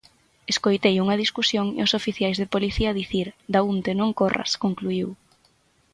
Escoitei unha discusión e os oficiais de policía dicir: Daunte, non corras'', concluíu.